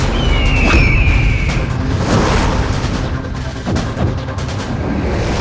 lihat remarkable keji berd sharedolve yang menyerahkan ter thieves pan sunlight